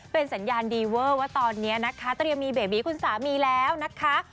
เป็นสัญญาณดีเวอร์ว่าตอนนี้นะคะเตรียมมีเบบีคุณสามีแล้วนะคะ